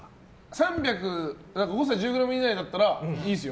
３００誤差１０ｇ以内だったらいいですよ。